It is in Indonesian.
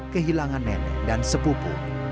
kehilangan nenek dan sepupu